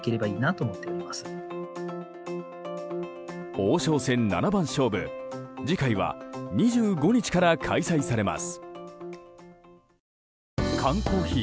王将戦七番勝負、次回は２５日から開催されます。